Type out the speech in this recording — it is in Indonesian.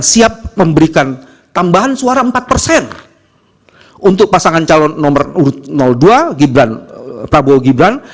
siap memberikan tambahan suara empat persen untuk pasangan calon nomor dua prabowo gibran